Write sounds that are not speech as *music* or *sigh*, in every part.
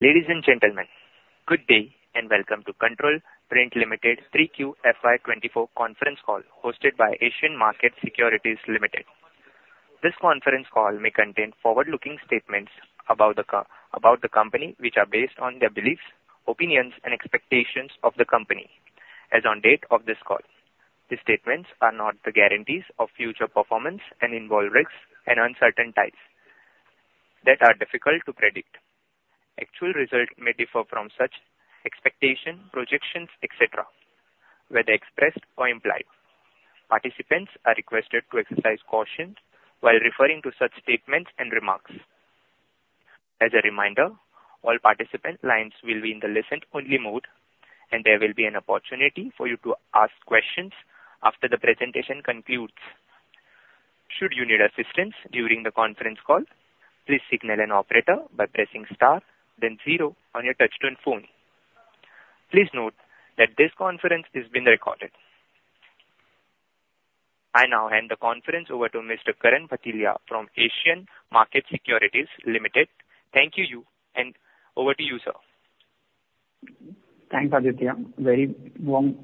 Ladies and gentlemen, good day, and welcome to Control Print Limited 3Q FY 2024 conference call, hosted by Asian Markets Securities Private Limited. This conference call may contain forward-looking statements about the Co, about the company, which are based on their beliefs, opinions, and expectations of the company as on date of this call. These statements are not the guarantees of future performance and involve risks and uncertainties that are difficult to predict. Actual results may differ from such expectations, projections, et cetera, whether expressed or implied. Participants are requested to exercise caution while referring to such statements and remarks. As a reminder, all participant lines will be in the listen-only mode, and there will be an opportunity for you to ask questions after the presentation concludes. Should you need assistance during the conference call, please signal an operator by pressing star then zero on your touchtone phone. Please note that this conference is being recorded. I now hand the conference over to Mr. Karan Bhatelia from Asian Markets Securities Private Limited. Thank you, and over to you, sir. Thanks, Aditya. Very warm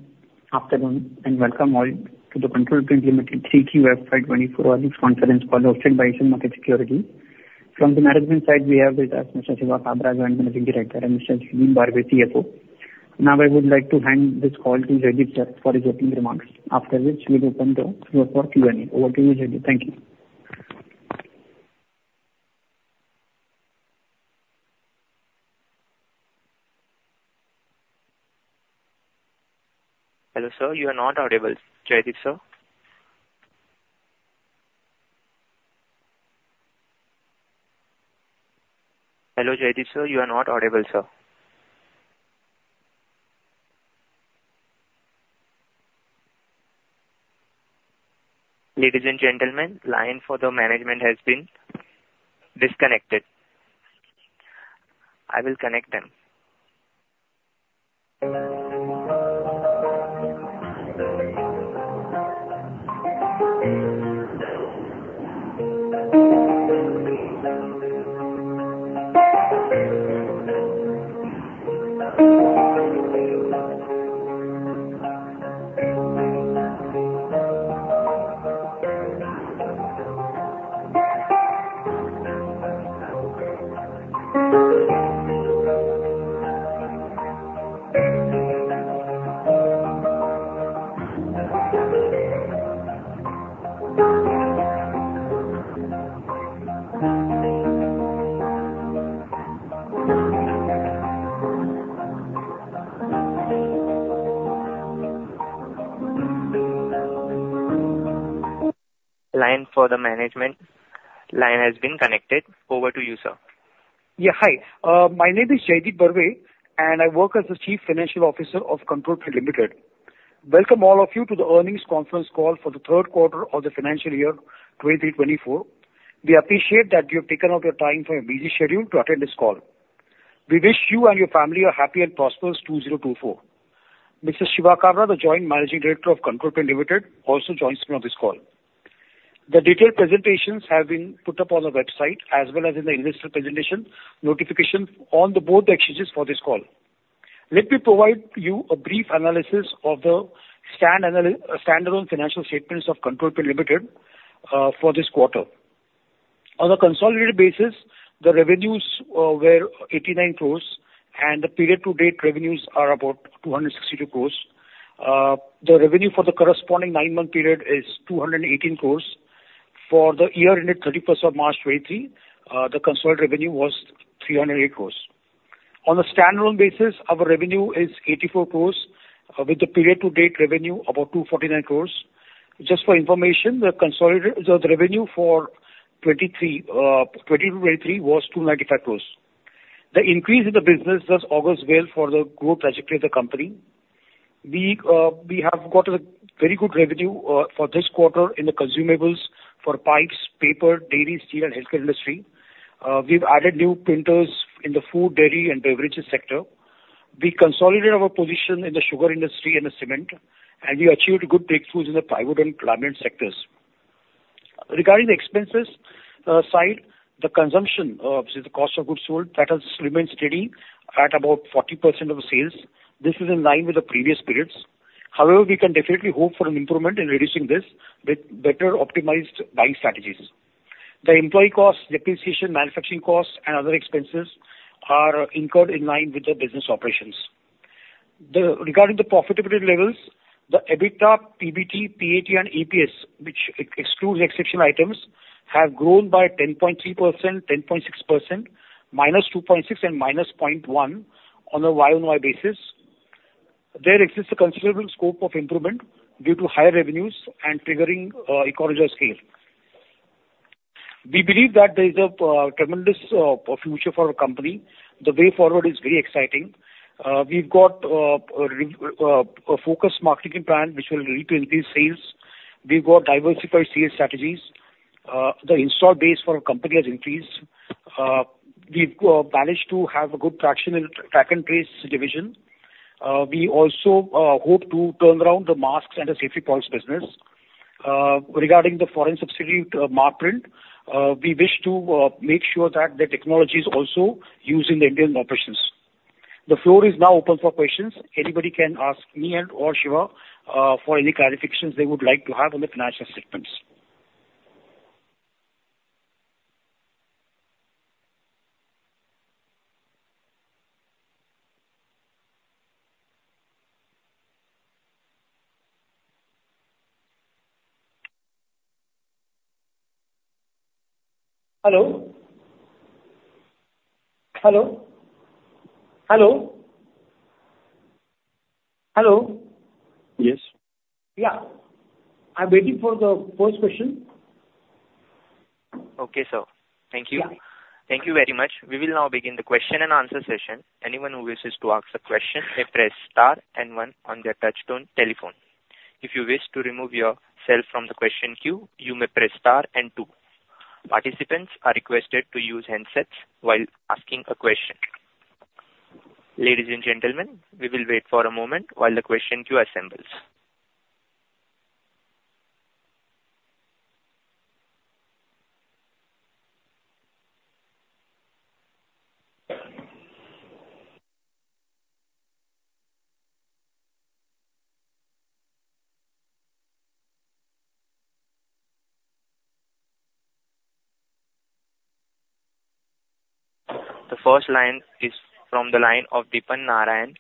afternoon, and welcome all to the Control Print Limited 3Q FY 2024 earnings conference call hosted by Asian Markets Securities. From the management side, we have with us Mr. Shiva Kabra, Managing Director, and Mr. Jaideep Barve, CFO. Now, I would like to hand this call to Jaideep, sir, for his opening remarks, after which we will open the floor for Q&A. Over to you, Jaideep. Thank you. Hello, sir, you are not audible. Jaideep, sir? Hello, Jaideep, sir, you are not audible, sir. Ladies and gentlemen, line for the management has been disconnected. I will connect them. Line for the management... Line has been connected. Over to you, sir. Yeah, hi. My name is Jaideep Barve, and I work as the Chief Financial Officer of Control Print Limited. Welcome, all of you, to the earnings conference call for the third quarter of the financial year 2023-2024. We appreciate that you have taken out your time from your busy schedule to attend this call. We wish you and your family a happy and prosperous 2024. Mr. Shiva Kabra, the Joint Managing Director of Control Print Limited, also joins me on this call. The detailed presentations have been put up on our website as well as in the investor presentation notification on both exchanges for this call. Let me provide you a brief analysis of the standalone financial statements of Control Print Limited for this quarter. On a consolidated basis, the revenues were 89 crore, and the period-to-date revenues are about 262 crore. The revenue for the corresponding nine-month period is 218 crore. For the year ending 31 March 2023, the consolidated revenue was 308 crore. On a standalone basis, our revenue is 84 crore, with the period-to-date revenue about 249 crore. Just for information, the consolidated, the revenue for 2023, 2022-2023 was 295 crore. The increase in the business does augurs well for the growth trajectory of the company. We, we have got a very good revenue for this quarter in the consumables for pipes, paper, dairy, steel and healthcare industry. We've added new printers in the Food, Dairy and Beverages sector. We consolidated our position in the sugar industry and the cement, and we achieved good breakthroughs in the Plywood and laminate sectors. Regarding the expenses side, the consumption, which is the cost of goods sold, that has remained steady at about 40% of the sales. This is in line with the previous periods. However, we can definitely hope for an improvement in reducing this with better optimized buying strategies. The employee costs, depreciation, manufacturing costs and other expenses are incurred in line with the business operations. Regarding the profitability levels, the EBITDA, PBT, PAT and EPS, which excludes exceptional items, have grown by 10.3%, 10.6%, -2.6%, and -0.1% on a YoY basis. There exists a considerable scope of improvement due to higher revenues and triggering economies of scale. We believe that there is a tremendous future for our company. The way forward is very exciting. We've got a focused marketing plan which will lead to increased sales. We've got diversified sales strategies. The installed base for our company has increased. We've managed to have a good traction in the Track-and-Trace division. We also hope to turn around the masks and the safety gloves business. Regarding the foreign subsidiary, Markprint, we wish to make sure that the technology is also used in the Indian operations. The floor is now open for questions. Anybody can ask me and or Shiva for any clarifications they would like to have on the financial statements. Hello? Hello? Hello? Hello. Yes. Yeah, I'm waiting for the first question. Okay, sir. Thank you. Yeah. Thank you very much. We will now begin the question-and-answer session. Anyone who wishes to ask a question may press star and one on their touchtone telephone. If you wish to remove yourself from the question queue, you may press star and two. Participants are requested to use handsets while asking a question. Ladies and gentlemen, we will wait for a moment while the question queue assembles. The first line is from the line of Deepan Narayanan,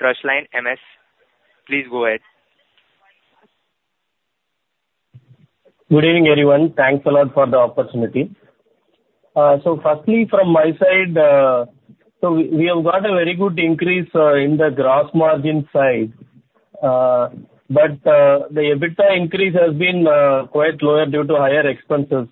TrustLine PMS. Please go ahead. Good evening, everyone. Thanks a lot for the opportunity. So firstly, from my side, so we have got a very good increase in the gross margin side. But the EBITDA increase has been quite lower due to higher expenses.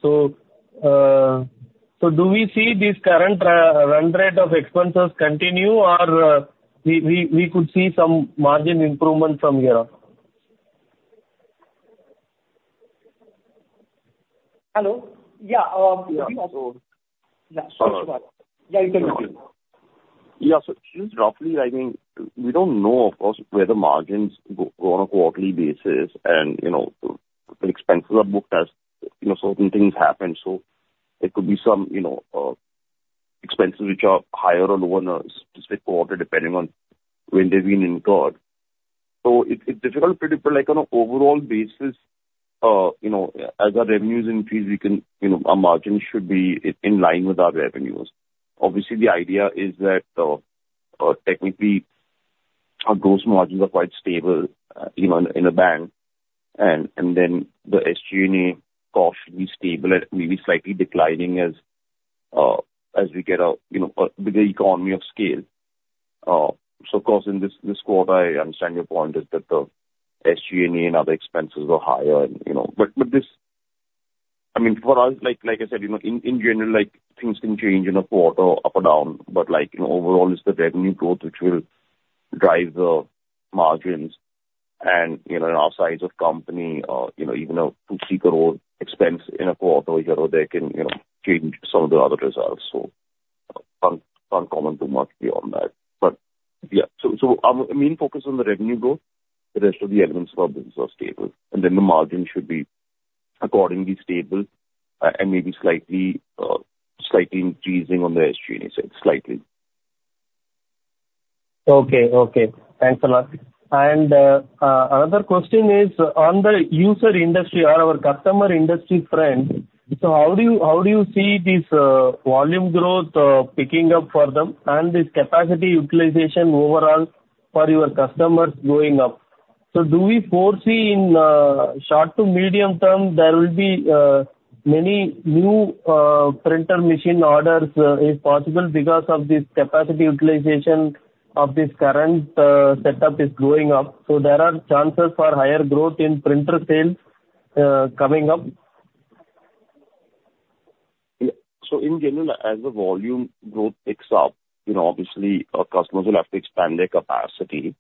So do we see this current run rate of expenses continue, or we could see some margin improvement from here? Hello? Yeah, Yeah, so- Yeah, sure. Yeah, you can continue. Yeah, so roughly, I mean, we don't know, of course, where the margins go on a quarterly basis, and, you know, the expenses are booked as, you know, certain things happen. So it could be some, you know, expenses which are higher or lower in a specific quarter, depending on when they've been incurred. So it's difficult to predict, but, like, on an overall basis, you know, as our revenues increase, we can, you know, our margins should be in line with our revenues. Obviously, the idea is that, technically, our gross margins are quite stable, you know, in a band, and then the SG&A costs should be stable and maybe slightly declining as we get a, you know, a, with the economy of scale. So of course, in this, this quarter, I understand your point is that the SG&A and other expenses are higher and, you know... But, but this, I mean, for us like, like I said, you know, in, in general, like, things can change in a quarter up or down, but like, you know, overall it's the revenue growth which will drive the margins. And, you know, in our size of company, you know, even a INR 2 crore-INR 3 crore expense in a quarter here or there can, you know, change some of the other results, so, can't comment too much beyond that. But yeah, so, so our, our main focus is on the revenue growth. The rest of the elements are, are stable, and then the margin should be accordingly stable, and maybe slightly, slightly increasing on the SG&A side. Slightly. Okay. Okay. Thanks a lot. And another question is on the user industry or our customer industry trend. So how do you see this volume growth picking up for them and this capacity utilization overall for your customers going up? So do we foresee in short to medium term there will be many new printer machine orders, if possible, because of this capacity utilization of this current setup is going up, so there are chances for higher growth in printer sales coming up? Yeah. So in general, as the volume growth picks up, you know, obviously, our customers will have to expand their capacity.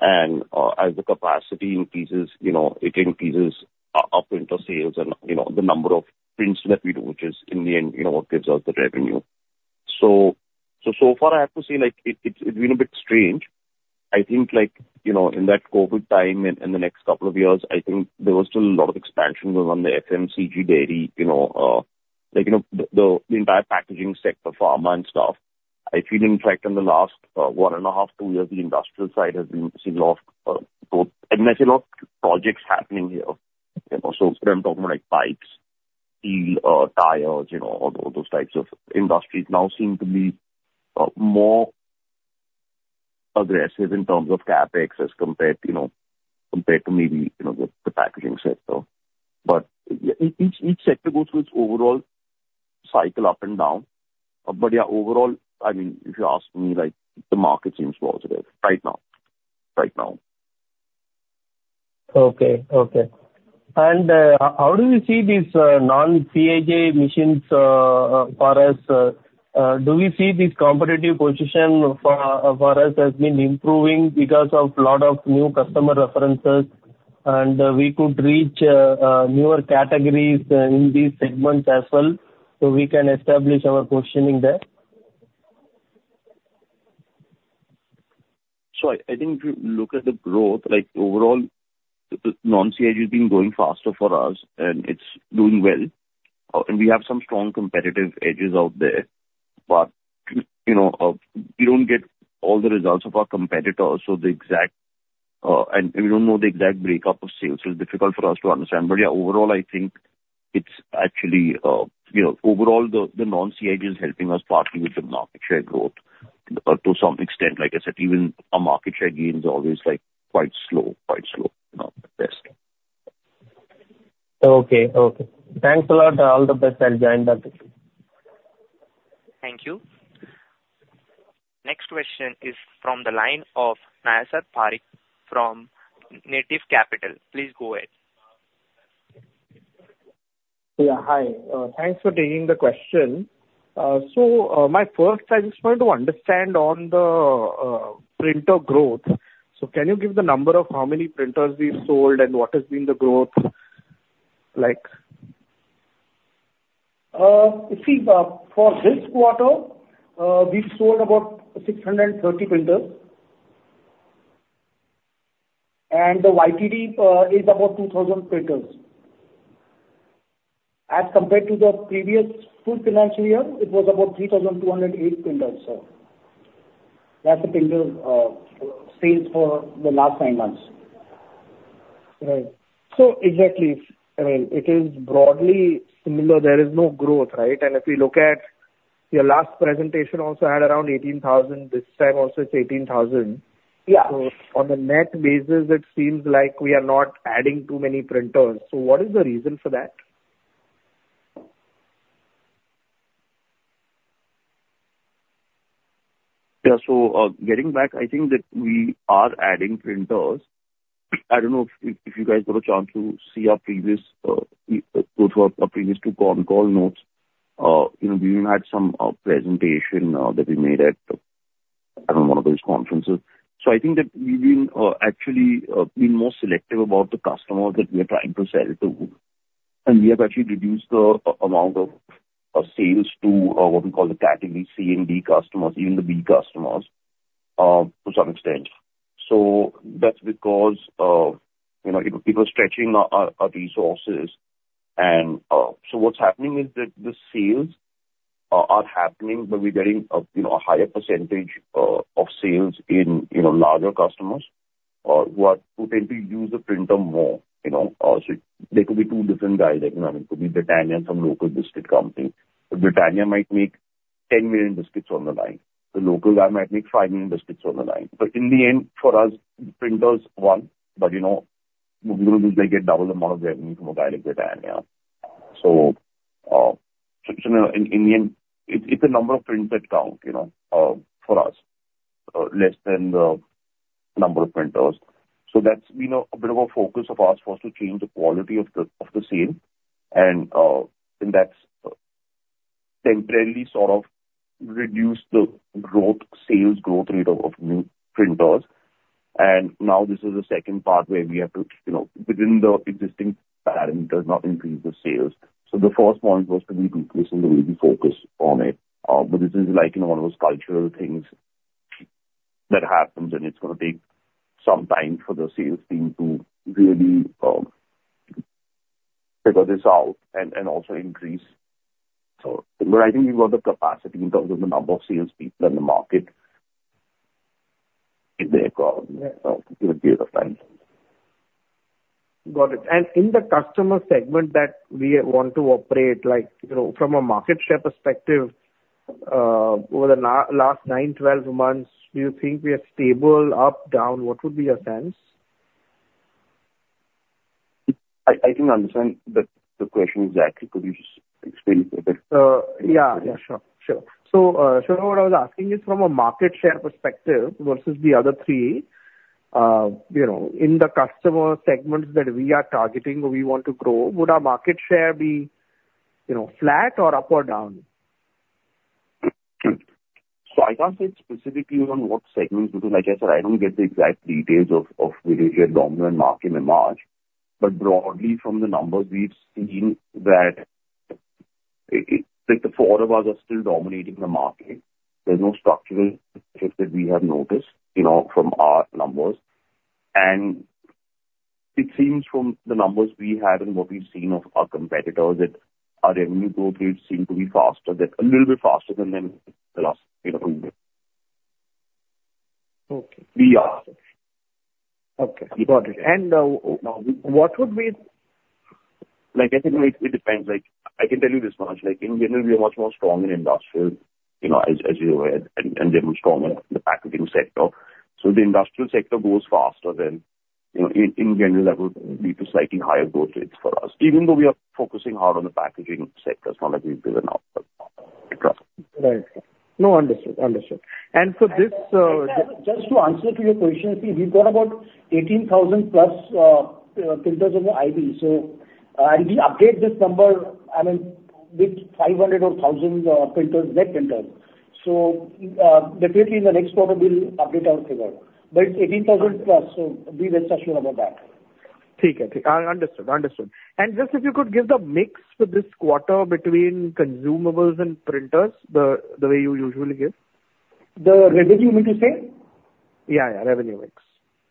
And as the capacity increases, you know, it increases our printer sales and, you know, the number of prints that we do, which is in the end, you know, what gives us the revenue. So far I have to say, like, it's been a bit strange. I think, like, you know, in that COVID time and the next couple of years, I think there was still a lot of expansion going on the FMCG dairy, you know, like, you know, the entire packaging sector, pharma and stuff. I feel in fact, in the last one and a half to two years, the industrial side has been seeing a lot of growth, and there's a lot of projects happening here. You know, so I'm talking about, like, bikes, steel, tires, you know, all, all those types of industries now seem to be more aggressive in terms of CapEx as compared, you know, compared to maybe, you know, the, the packaging sector. But yeah, each, each sector goes through its overall cycle up and down. But yeah, overall, I mean, if you ask me, like, the market seems positive right now. Right now. Okay. Okay. And how do you see these non-CIJ machines for us? Do we see this competitive position for us has been improving because of lot of new customer references, and we could reach newer categories in these segments as well, so we can establish our positioning there? So I think if you look at the growth, like overall, the non-CIJ has been growing faster for us, and it's doing well. And we have some strong competitive edges out there. But, you know, we don't get all the results of our competitors, so the exact, and we don't know the exact breakup of sales, so it's difficult for us to understand. But yeah, overall I think it's actually, you know, overall the non-CIJ is helping us partly with the market share growth, to some extent. Like I said, even our market share gain is always, like, quite slow, quite slow, you know, but yes. Okay. Okay. Thanks a lot, all the best. I'll join the. *inaudible* Thank you. Next question is from the line of Naysar Parikh from Native Capital. Please go ahead. Yeah, hi. Thanks for taking the question. So, my first, I just want to understand on the printer growth. So can you give the number of how many printers we've sold and what has been the growth like? See, for this quarter, we've sold about 630 printers. The YTD is about 2,000 printers. As compared to the previous full financial year, it was about 3,208 printers, so. That's the printers sales for the last nine months. Right. So exactly, I mean, it is broadly similar. There is no growth, right? And if you look at your last presentation also had around 18,000, this time also it's 18,000. Yeah. On the net basis, it seems like we are not adding too many printers. So what is the reason for that? Yeah. So, getting back, I think that we are adding printers. I don't know if you guys got a chance to see our previous, go through our previous two conference call notes. You know, we even had some presentation that we made at, I don't know, one of those conferences. So I think that we've been actually been more selective about the customers that we are trying to sell to, and we have actually reduced the amount of sales to what we call the Category C and D customers, even the B customers, to some extent. So that's because you know, people are stretching out our resources. So what's happening is that the sales are happening, but we're getting a, you know, a higher percentage of sales in, you know, larger customers who tend to use the printer more, you know. So there could be two different guys, like, you know, it could be Britannia and some local biscuit company. But Britannia might make 10 million biscuits on the line. The local guy might make 5 million biscuits on the line. But in the end, for us, printer is one, but, you know, we will, like, get double the amount of revenue from a guy like Britannia. So, so, you know, in the end, it's the number of prints that count, you know, for us, less than the number of printers. So that's been a bit of a focus of ours, for us to change the quality of the sale. And that's temporarily sort of reduced the growth, sales growth rate of new printers. And now this is the second part where we have to, you know, within the existing parameters, not increase the sales. So the first point was to be ruthless in the way we focus on it. But this is like, you know, one of those cultural things that happens, and it's gonna take some time for the sales team to really figure this out and also increase. So... But I think we've got the capacity in terms of the number of sales people in the market, if they call, give the time. Got it. In the customer segment that we want to operate, like, you know, from a market share perspective, over the last nine to 12 months, do you think we are stable, up, down? What would be your sense? I don't understand the question exactly. Could you just explain it a bit? Yeah. Yeah, sure. Sure. So, so what I was asking is from a market share perspective versus the other three, you know, in the customer segments that we are targeting or we want to grow, would our market share be, you know, flat or up or down? So I can't say specifically on what segments, because like I said, I don't get the exact details of where we are dominant in the market in March. But broadly, from the numbers, we've seen that like, the four of us are still dominating the market. There's no structural shift that we have noticed, you know, from our numbers. And it seems from the numbers we have and what we've seen of our competitors, that our revenue growth rates seem to be faster, that a little bit faster than the last, you know. Okay. We are. Okay, got it. And, what would be Like I said, it depends. Like, I can tell you this much, like, in general, we are much more strong in industrial, you know, as you're aware, and even stronger in the packaging sector. So the industrial sector grows faster than... You know, in general, that would lead to slightly higher growth rates for us, even though we are focusing hard on the packaging sector, it's not like we've given up. Right. No, understood. Understood. And so this, Just to answer to your question, see, we've got about 18,000+ printers in the IP. So, and if we update this number, I mean, with 500 or 1,000 printers, net printers. So, definitely in the next quarter, we'll update our figure. But it's 18,000+, so be rest assured about that.... Okay. Understood, understood. And just if you could give the mix for this quarter between consumables and printers, the way you usually give? The revenue, you mean to say? Yeah, yeah. Revenue mix.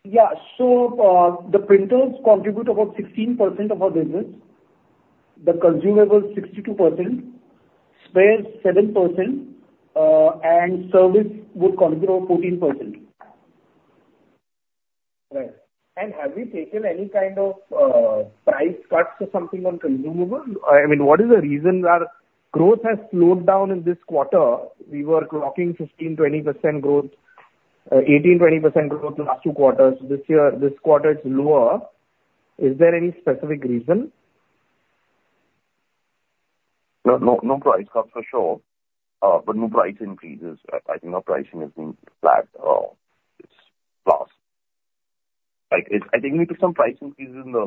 Yeah. So, the printers contribute about 16% of our business, the consumables 62%, spares 7%, and service would contribute 14%. Right. And have you taken any kind of, price cuts or something on consumables? I mean, what is the reason that growth has slowed down in this quarter? We were clocking 15%-20% growth, 18%, 20% growth the last two quarters. This year, this quarter it's lower. Is there any specific reason? No, no, no price cuts for sure, but no price increases. I think our pricing has been flat, it's flat. Like, I think we took some price increases in the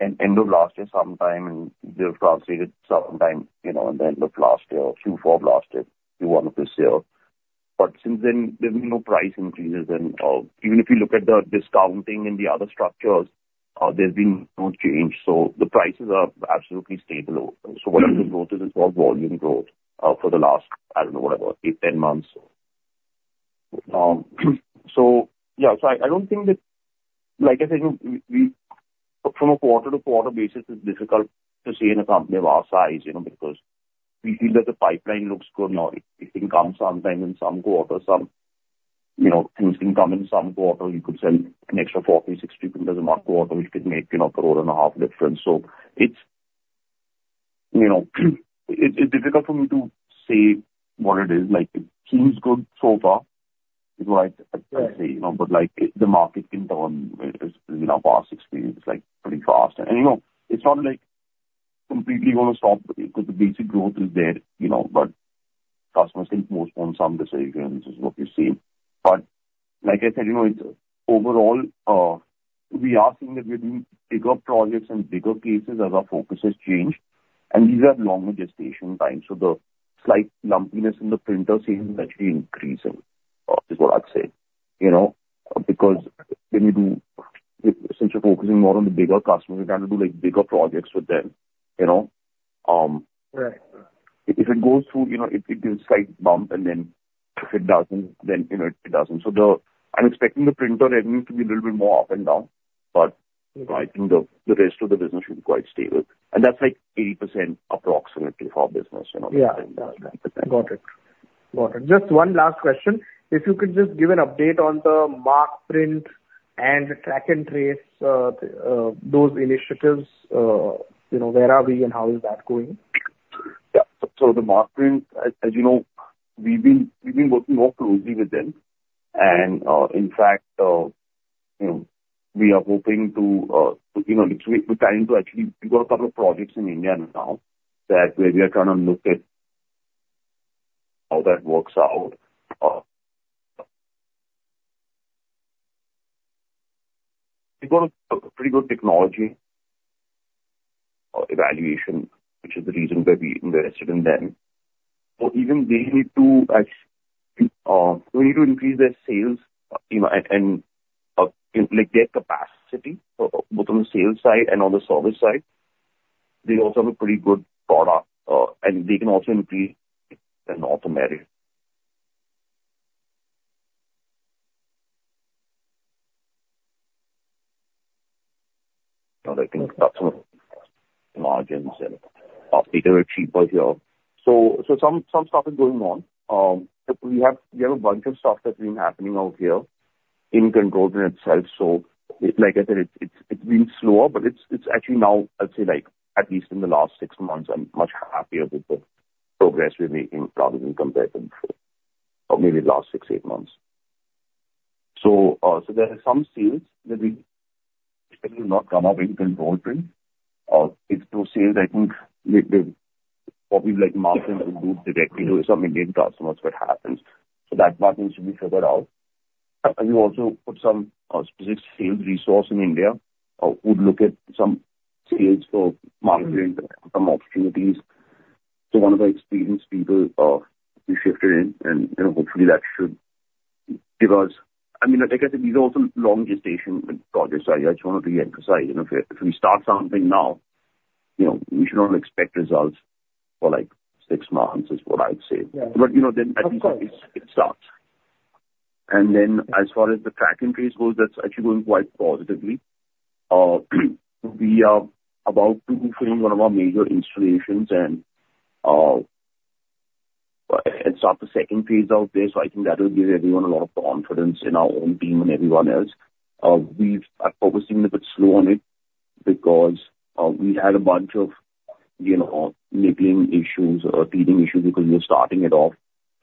end of last year sometime, and they've translated sometime, you know, in the end of last year or Q4 of last year to one of this year. But since then, there's been no price increases, and, even if you look at the discounting in the other structures, there's been no change. So the prices are absolutely stable. So whatever growth is, it's all volume growth, for the last, I don't know, what, about 8-10 months. So yeah, so I, I don't think that... Like I said, we from a quarter-to-quarter basis, it's difficult to see in a company of our size, you know, because we feel that the pipeline looks good now. It can come sometime in some quarters, some, you know, things can come in some quarter. You could sell an extra 40, 60 printers in one quarter, which could make, you know, 1.5 crore difference. So it's, you know, it, it's difficult for me to say what it is. Like, it seems good so far, is what I'd say, you know. But like, the market can turn, in our past experience, like, pretty fast. And you know, it's not, like, completely gonna stop, because the basic growth is there, you know, but customers can postpone some decisions, is what we've seen. But like I said, you know, it's overall, we are seeing that we're doing bigger projects and bigger pieces as our focus has changed, and these are longer gestation times, so the slight lumpiness in the printer seems actually increasing, is what I'd say. You know, because when you do, since you're focusing more on the bigger customers, you kind of do, like, bigger projects with them, you know? Right. If it goes through, you know, it gives slight bump, and then if it doesn't, then, you know, it doesn't. So I'm expecting the printer revenue to be a little bit more up and down, but I think the rest of the business should be quite stable. And that's, like, 80% approximately of our business, you know? Yeah. Got it. Got it. Just one last question. If you could just give an update on the Markprint and the Track-and-Trace, those initiatives. You know, where are we and how is that going? Yeah. So the Markprint, as you know, we've been working more closely with them. And, in fact, you know, we are hoping to, you know, we're trying to actually. We've got a couple of projects in India now, that where we are trying to look at how that works out. They've got a pretty good technology evaluation, which is the reason why we invested in them. So even they need to actually, they need to increase their sales, you know, and, like, their capacity, both on the sales side and on the service side. They also have a pretty good product, and they can also increase in the northern area. And I think that's some of the margins and are bigger, cheaper here. So some stuff is going on. But we have a bunch of stuff that's been happening out here in Control Print itself. So like I said, it's been slower, but it's actually now, I'd say, like, at least in the last six months, I'm much happier with the progress we're making probably compared to before, or maybe last six, eight months. So there are some sales that we will not come up in Control Print. It's those sales, I think, like the, what we like Markprint would do directly to some Indian customers, what happens. So that part needs to be figured out. We also put some specific sales resource in India, who would look at some sales for Markprint, some opportunities. So one of the experienced people we shifted in, and, you know, hopefully that should give us... I mean, like I said, these are also long gestation projects. I just want to re-emphasize, you know, if we start something now, you know, we should not expect results for, like, six months, is what I'd say. Yeah. But you know, then at least it, it starts. Then as far as the Track-and-Trace goes, that's actually going quite positively. We are about to complete one of our major installations and start the second phase out there, so I think that will give everyone a lot of confidence in our own team and everyone else. We are focusing a bit slow on it because we had a bunch of, you know, niggling issues or teething issues because we were starting it off,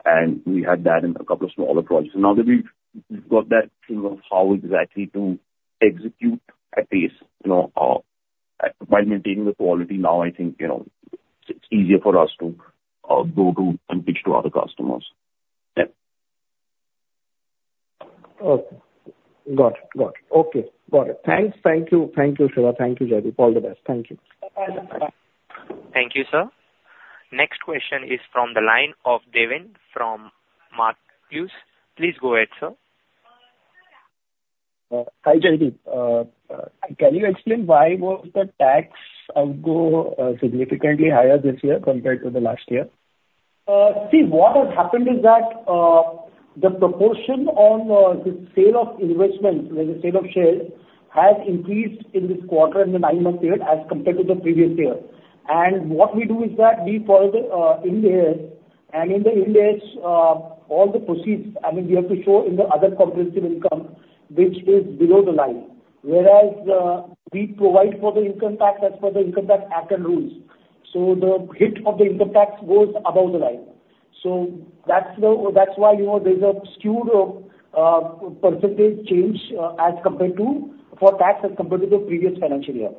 and we had that in a couple of smaller projects. Now that we've got that figure of how exactly to execute at pace, you know, by maintaining the quality, now I think, you know, it's easier for us to go to and pitch to other customers. Yeah. Okay. Got it. Got it. Okay, got it. Thanks. Thank you. Thank you, Shiva. Thank you, Jaideep. All the best. Thank you. Thank you, sir.... Next question is from the line of Devin from Matthews. Please go ahead, sir. Hi, Jaideep. Can you explain why was the tax go significantly higher this year compared to the last year? See, what has happened is that the proportion on the sale of investment, like the sale of shares, has increased in this quarter and the nine-month period as compared to the previous year. And what we do is that we the Ind AS. And in the Ind AS, all the proceeds, I mean, we have to show in the other comprehensive income, which is below the line. Whereas we provide for the income tax as per the Income Tax Act and Rules. So the hit of the income tax goes above the line. So that's the, that's why, you know, there's a skewed percentage change as compared to, for tax as compared to the previous financial year.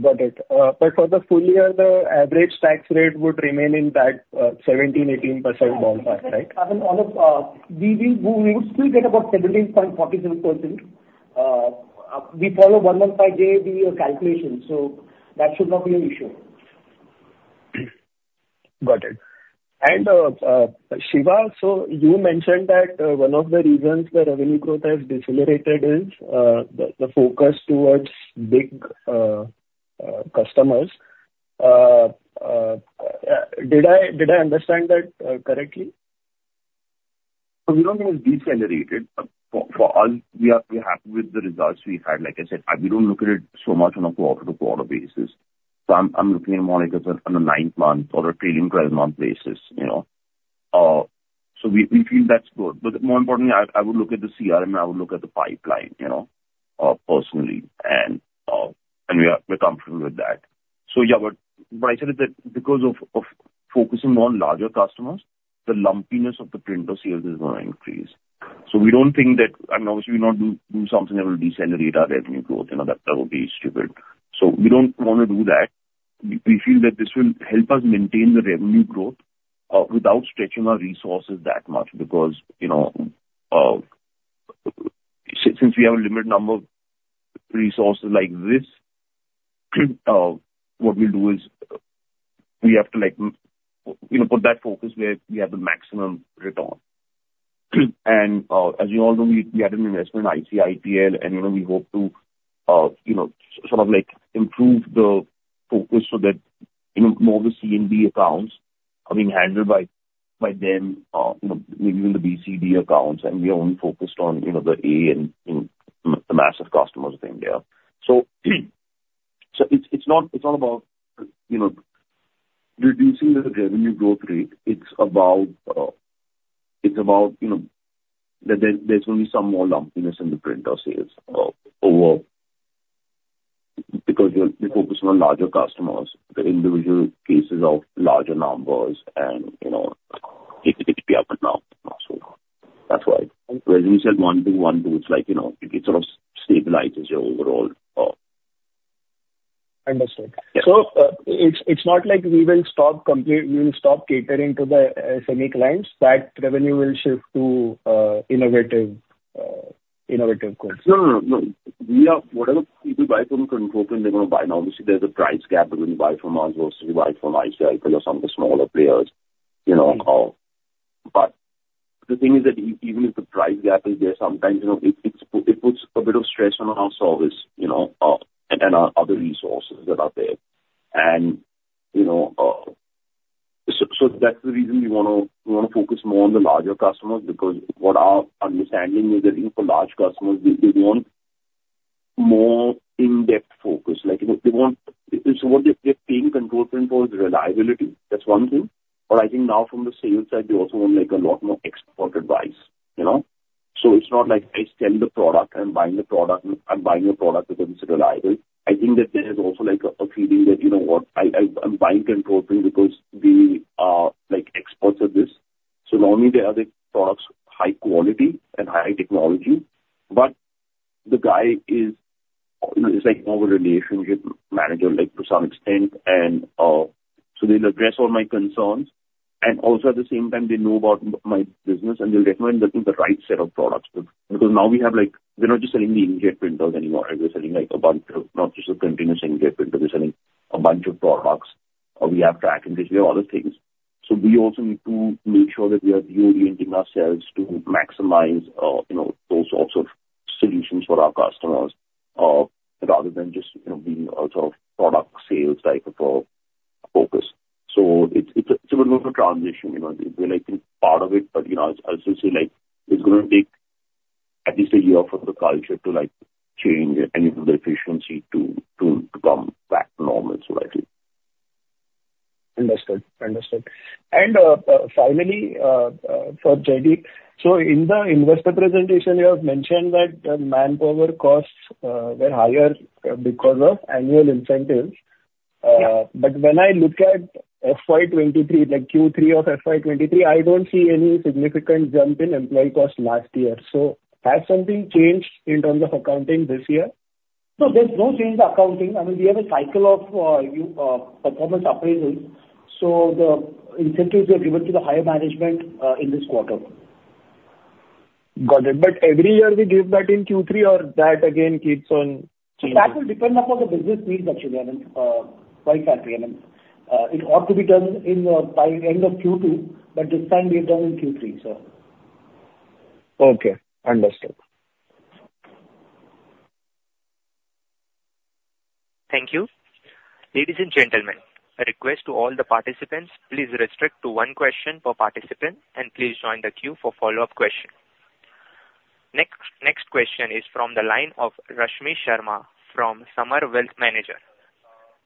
Got it. But for the full year, the average tax rate would remain in that 17%-18% ballpark, right? As in all of, we will, we would still get about 17.47%. We follow 115JB calculation, so that should not be an issue. Got it. Shiva, so you mentioned that one of the reasons the revenue growth has decelerated is the focus towards big customers. Did I understand that correctly? So we don't think it's decelerated. For us, we're happy with the results we've had. Like I said, we don't look at it so much on a quarter-to-quarter basis. So I'm looking at more like on a nine-month or a trailing twelve-month basis, you know. So we feel that's good. But more importantly, I would look at the CRM and I would look at the pipeline, you know, personally, and we are comfortable with that. So, yeah, but I said that because of focusing on larger customers, the lumpiness of the printer sales is gonna increase. So we don't think that. I mean, obviously, we would not do something that will decelerate our revenue growth. You know, that would be stupid. So we don't wanna do that. We feel that this will help us maintain the revenue growth, without stretching our resources that much, because, you know, since we have a limited number of resources like this, what we'll do is, we have to, like, you know, put that focus where we have the maximum return. As you all know, we had an investment in ICIPL, and, you know, we hope to, you know, sort of like improve the focus so that, you know, more of the C and D accounts are being handled by them, you know, leaving the B, C, D accounts, and we are only focused on, you know, the A and the massive customers of India. So, it's not about, you know, reducing the revenue growth rate, it's about, you know, that there's going to be some more lumpiness in the printer sales over... Because we're focusing on larger customers, the individual cases of larger numbers and, you know, it could be up and down, and so on. That's why. When you said one, two, one, two, it's like, you know, it sort of stabilizes your overall, Understood. Yeah. So, it's not like we will stop catering to the semi clients, that revenue will shift to innovative goods? No, no, no. We are... Whatever people buy from Control Print, they're gonna buy. Now, obviously, there's a price gap between you buy from us versus you buy from ICIPL or some of the smaller players, you know, but the thing is that even if the price gap is there, sometimes, you know, it puts a bit of stress on our service, you know, and our other resources that are there. And, you know, so that's the reason we wanna focus more on the larger customers, because what our understanding is that for large customers, they want more in-depth focus. Like, you know, they want... So what they, they're paying Control Print for is reliability, that's one thing. But I think now from the sales side, they also want, like, a lot more expert advice, you know? So it's not like I sell the product, and buying the product, and buying a product because it's reliable. I think that there is also, like, a feeling that, you know what? I'm buying Control Print because they are, like, experts at this. So not only they are the products high quality and high technology, but the guy is, you know, is like more of a relationship manager, like, to some extent, and so they'll address all my concerns, and also, at the same time, they know about my business, and they'll recommend looking the right set of products. Because now we have, like, we're not just selling the inkjet printers anymore, right? We're selling, like, a bunch of... Not just a continuous inkjet printer, we're selling a bunch of products, or we have Track-and-Trace and we have other things. So we also need to make sure that we are reorienting ourselves to maximize, you know, those sorts of solutions for our customers, rather than just, you know, being a sort of product sales type of focus. So it's a bit of a transition, you know, we're, like, in part of it, but, you know, I'll just say, like, it's gonna take at least a year for the culture to, like, change and even the efficiency to come back to normal, so I think. Understood. Understood. And, finally, for Jaideep: so in the investor presentation, you have mentioned that the manpower costs were higher because of annual incentives. Yeah. But when I look at FY 2023, like Q3 of FY 2023, I don't see any significant jump in employee costs last year. So has something changed in terms of accounting this year? No, there's no change in the accounting. I mean, we have a cycle of performance appraisals, so the incentives were given to the higher management in this quarter.... Got it. But every year we give that in Q3 or that again keeps on changing? So that will depend upon the business needs, actually, And, quite frankly. I mean, it ought to be done in by end of Q2, but this time we have done in Q3, so. Okay, understood. Thank you. Ladies and gentlemen, a request to all the participants. Please restrict to one question per participant, and please join the queue for follow-up question. Next, next question is from the line of Rashmi Sharma from Samar Wealth Advisors.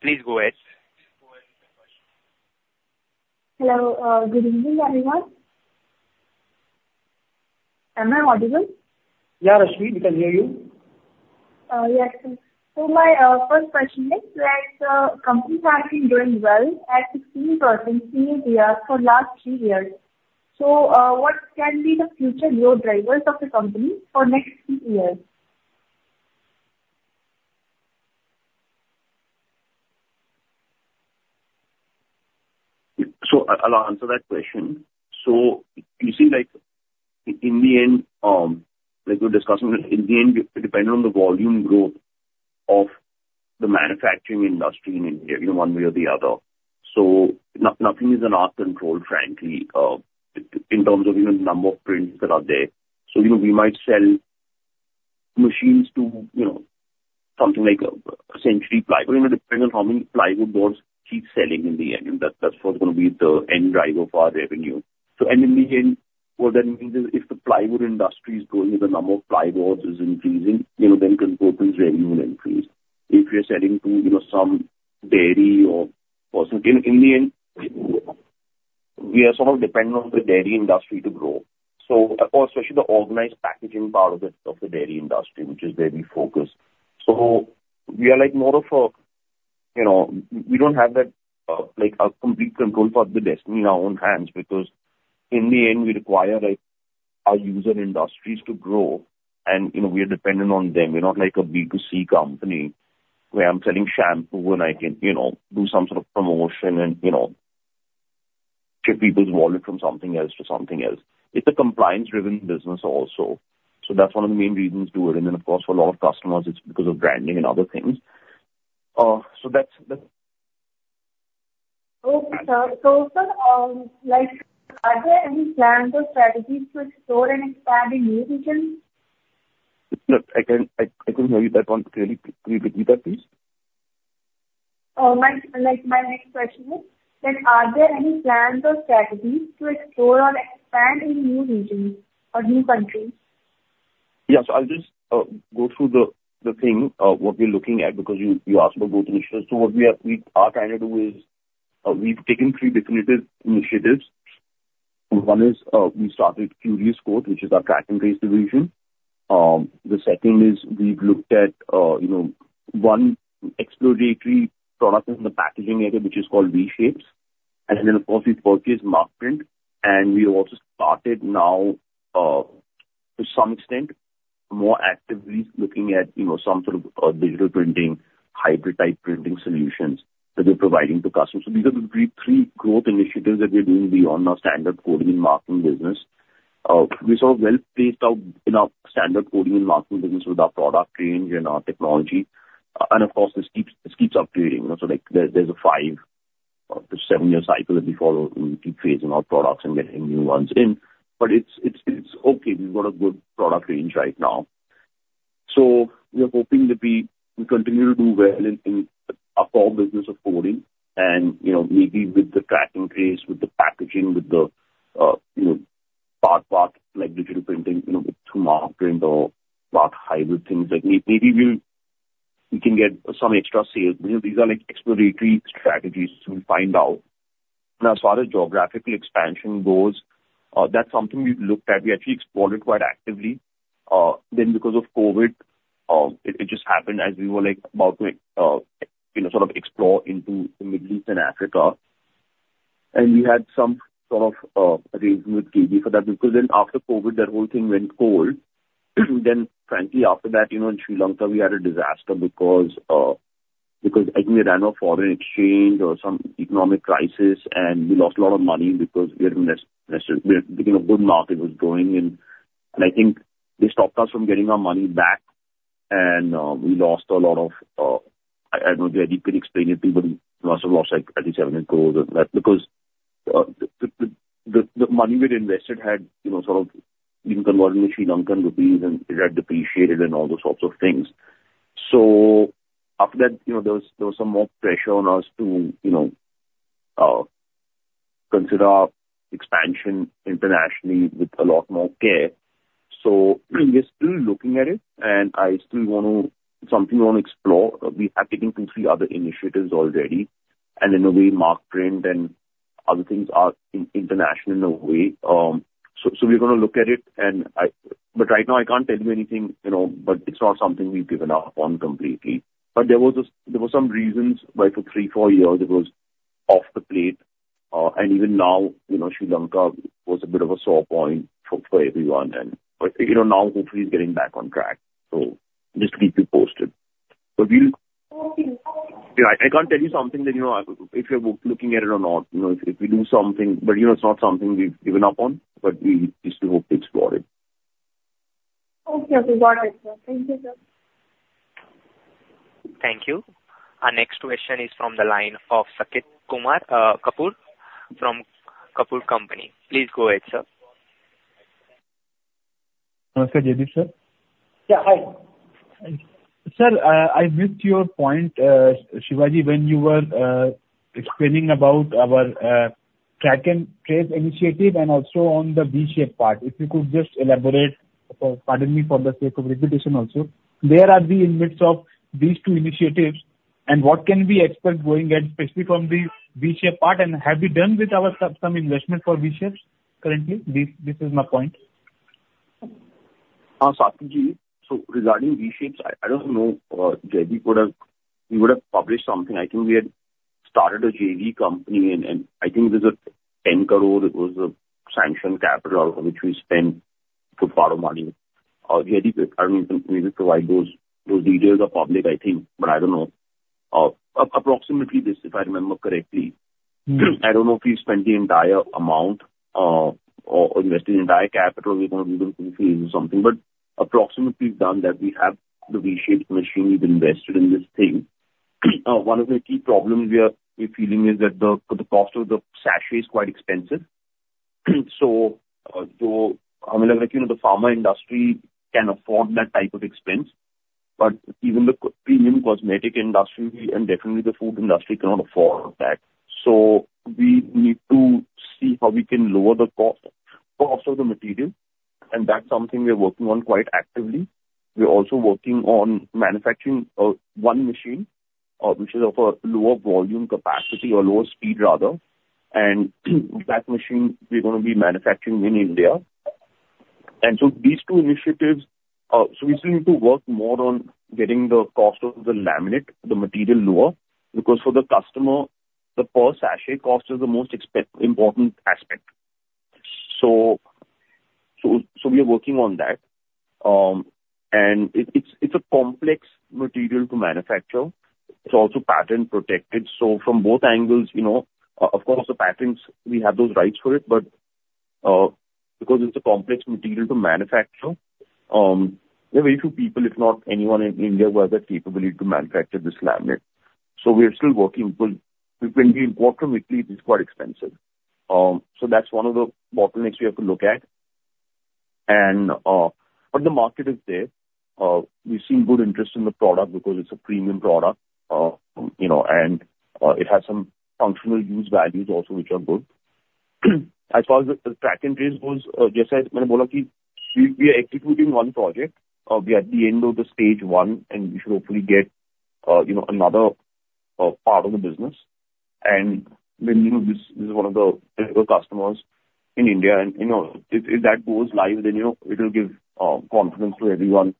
Please go ahead. Hello. Good evening, everyone. Am I audible? Yeah, Rashmi, we can hear you. Yes. So my first question is that companies have been doing well at 16% year-on-year for last three years. So, what can be the future growth drivers of the company for next three years? I'll answer that question. So you see, like, in the end, like we're discussing, in the end, it depends on the volume growth of the manufacturing industry in India, you know, one way or the other. So nothing is in our control, frankly, in terms of, you know, number of prints that are there. So, you know, we might sell machines to, you know, something like a Century Plyboards. You know, it depends on how many plywood boards keep selling in the end, and that, that's what's gonna be the end driver of our revenue. And in the end, what that means is if the plywood industry is growing, the number of plywood boards is increasing, you know, then Control Print's revenue will increase. If we are selling to, you know, some dairy or in the end, we are sort of dependent on the dairy industry to grow, so or especially the organized packaging part of the dairy industry, which is where we focus. So we are like more of a, you know, we don't have that, like a complete control of the destiny in our own hands, because in the end, we require, like, our user industries to grow and, you know, we are dependent on them. We're not like a B2C company, where I'm selling shampoo and I can, you know, do some sort of promotion and, you know, shift people's wallet from something else to something else. It's a compliance-driven business also. So that's one of the main reasons too. And then, of course, for a lot of customers, it's because of branding and other things. So that's the- Okay, sir. So, sir, like, are there any plans or strategies to explore and expand in new regions? No, I can't... I couldn't hear you that one clearly. Can you repeat that, please? My, like, my next question is, that are there any plans or strategies to explore or expand in new regions or new countries? Yes. I'll just go through the thing what we're looking at, because you asked about growth initiatives. So what we are trying to do is we've taken three definitive initiatives. One is we started QRious Codes, which is our Track and Trace division. The second is we've looked at you know one exploratory product in the packaging area, which is called V-Shapes. And then, of course, we purchased Markprint, and we have also started now to some extent more actively looking at you know some sort of digital printing, hybrid-type printing solutions that we're providing to customers. So these are the three growth initiatives that we're doing beyond our standard coding and marking business. We saw well-paced out in our standard coding and marking business with our product range and our technology. Of course, this keeps upgrading. You know, so, like, there's a five- to seven-year cycle that we follow. We keep phasing our products and getting new ones in, but it's okay. We've got a good product range right now. So we are hoping that we will continue to do well in our core business of coding and, you know, maybe with the track increase, with the packaging, with the, you know, part like digital printing, you know, with Markprint or part hybrid things like maybe we can get some extra sales. These are like exploratory strategies, so we'll find out. Now, as far as geographical expansion goes, that's something we've looked at. We actually explored it quite actively. Then because of COVID, it just happened as we were, like, about to, you know, sort of explore into the Middle East and Africa, and we had some sort of arrangement with GB for that. Because then after COVID, that whole thing went cold. Then frankly, after that, you know, in Sri Lanka, we had a disaster because, because I think they ran out of foreign exchange or some economic crisis, and we lost a lot of money because we had invested, we had, you know, a good market was growing, and, and I think they stopped us from getting our money back. And, we lost a lot of... I don't know, maybe Eddie can explain it to you, but we must have lost, like, at least INR 7 crore-INR 8 crore in that, because the money we had invested had, you know, sort of been converted into Sri Lankan rupees, and it had depreciated and all those sorts of things. So after that, you know, there was some more pressure on us to, you know, consider expansion internationally with a lot more care. So we're still looking at it, and I still want to... Something I wanna explore. We are taking two to three other initiatives already, and in a way, Markprint and other things are international in a way. So we're gonna look at it, and I-- But right now, I can't tell you anything, you know, but it's not something we've given up on completely. But there were some reasons why for three to four years, it was off the plate. And even now, you know, Sri Lanka was a bit of a sore point for everyone and. But, you know, now hopefully it's getting back on track. So just keep you posted. So we'll, you know, I can't tell you something then, you know, if you're looking at it or not, you know, if we do something, but you know, it's not something we've given up on, but we still hope to explore it. Okay. Okay. Got it, sir. Thank you, sir. Thank you. Our next question is from the line of Saket Kapoor from Kapoor Company. Please go ahead, sir. Namaste, Jaideep, sir. Yeah, hi. Sir, I missed your point, Shiva, when you were explaining about our Track-and-Trace initiative and also on the V-Shapes part. If you could just elaborate, pardon me for the sake of repetition also, where are we in midst of these two initiatives, and what can we expect going ahead, especially from the V-Shapes part, and have you done some investment for V-Shapes currently? This, this is my point. Saket, so regarding V-Shapes, I don't know, Jaideep would have... He would have published something. I think we had started a JV company, and then I think there's a 10 crore, it was a sanction capital, which we spent good part of money. Jaideep, I mean, maybe provide those, those details are public, I think, but I don't know. Approximately this, if I remember correctly, I don't know if we spent the entire amount, or, or invested the entire capital. We're going to be able to use something, but approximately we've done that. We have the V-Shapes machine. We've invested in this thing. One of the key problems we are, we're feeling is that the, the cost of the sachet is quite expensive. So, I mean, like, you know, the pharma industry can afford that type of expense, but even the premium cosmetic industry and definitely the food industry cannot afford that. So we need to see how we can lower the cost, cost of the material, and that's something we are working on quite actively. We're also working on manufacturing one machine, which is of a lower volume capacity or lower speed rather, and that machine we're gonna be manufacturing in India. And so these two initiatives, so we still need to work more on getting the cost of the laminate, the material lower, because for the customer, the per sachet cost is the most important aspect. So we are working on that. And it's a complex material to manufacture. It's also patent protected. So from both angles, you know, of course, the patents, we have those rights for it, but, because it's a complex material to manufacture, there are very few people, if not anyone in India, who have that capability to manufacture this laminate. So we are still working, but when we import from Italy, it is quite expensive. So that's one of the bottlenecks we have to look at. But the market is there. We see good interest in the product because it's a premium product, you know, and, it has some functional use values also, which are good. As far as the Track-and-Trace goes, just as I said, we are executing one project. We're at the end of the stage one, and we should hopefully get, you know, another, part of the business. And then, you know, this, this is one of the bigger customers in India, and, you know, if, if that goes live, then, you know, it will give confidence to everyone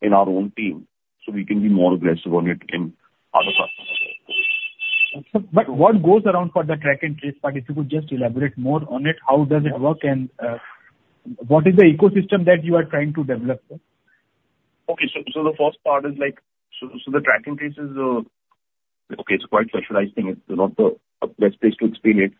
in our own team, so we can be more aggressive on it in other customers. But what goes around for the Track-and-Trace part? If you could just elaborate more on it, how does it work, and what is the ecosystem that you are trying to develop there? Okay. So the first part is like the Track-and-Trace is okay, it's quite specialized thing. It's not the best place to explain it.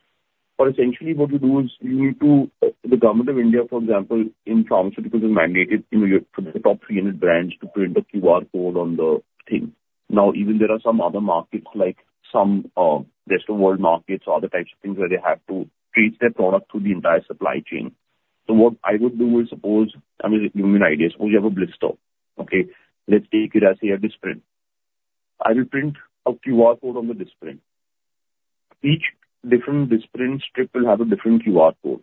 But essentially what we do is, we need to the government of India, for example, in pharmaceuticals, has mandated, you know, your top 300 brands to print the QR Code on the thing. Now, even there are some other markets, like some rest of world markets or other types of things where they have to trace their product through the entire supply chain. So what I would do is suppose, I mean, give you an idea. Suppose you have a blister. Okay, let's take it as, say, a Disprin. I will print a QR Code on the Disprin. Each different Disprin strip will have a different QR Code.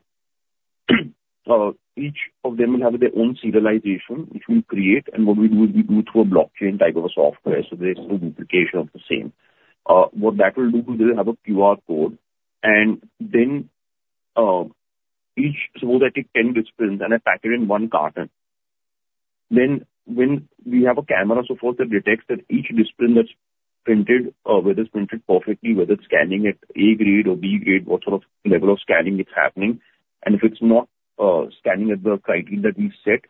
Each of them will have their own serialization, which we create, and what we do is we do it through a blockchain type of a software, so there's no duplication of the same. What that will do, we'll have a QR Code, and then, each... Suppose I take 10 Disprin, and I pack it in one carton. Then, when we have a camera, so forth, that detects that each Disprin that's printed, whether it's printed perfectly, whether it's scanning at A grade or B grade, what sort of level of scanning is happening, and if it's not, scanning at the criteria that we've set,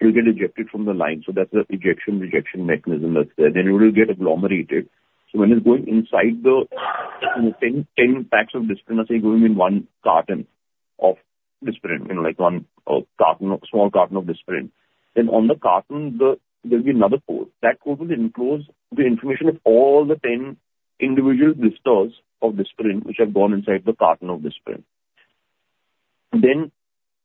it'll get ejected from the line. So that's the ejection, rejection mechanism that's there. Then it will get agglomerated. So when it's going inside the, you know, 10, 10 packs of Disprin, let's say, going in one carton of Disprin, you know, like one carton, a small carton of Disprin. Then on the carton, there'll be another code. That code will enclose the information of all the 10 individual blisters of Disprin, which have gone inside the carton of Disprin. Then,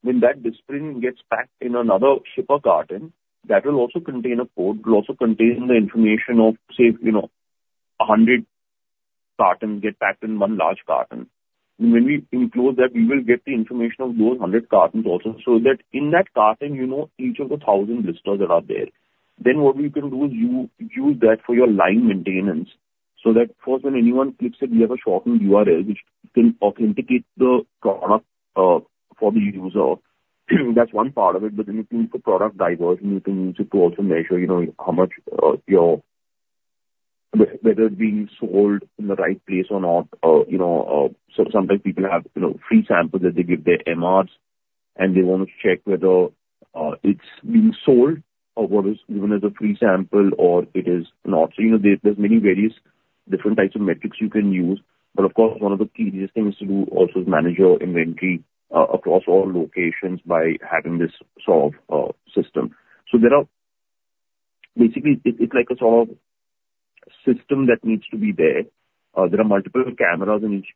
when that Disprin gets packed in another shipper carton, that will also contain a code. It will also contain the information of, say, you know, 100 cartons get packed in one large carton. And when we enclose that, we will get the information of those 100 cartons also, so that in that carton, you know each of the 1,000 blisters that are there. Then what we can do is you use that for your line maintenance, so that first, when anyone clicks it, we have a shortened URL, which can authenticate the product, for the user. That's one part of it, but then you can, for product diversion, you can use it to also measure, you know, how much, your... whether it's being sold in the right place or not. You know, so sometimes people have, you know, free samples that they give their MRs... and they want to check whether, it's being sold or what is given as a free sample or it is not. So, you know, there, there's many various different types of metrics you can use, but of course, one of the easiest things to do also is manage your inventory, across all locations by having this sort of, system. So there are basically, it, it's like a sort of system that needs to be there. There are multiple cameras in each